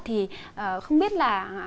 thì không biết là